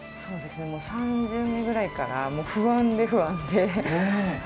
３巡目くらいから不安で不安で。